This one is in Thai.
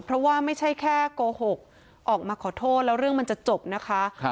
เพราะว่าไม่ใช่แค่โกหกออกมาขอโทษแล้วเรื่องมันจะจบนะคะ